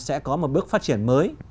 sẽ có một bước phát triển mới